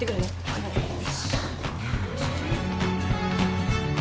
はい。